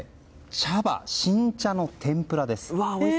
茶葉、新茶の天ぷらです。